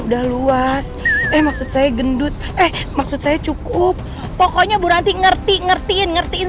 udah luas eh maksud saya gendut eh maksud saya cukup pokoknya bu nanti ngerti ngertiin ngertiin